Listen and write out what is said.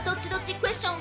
クエスチョン！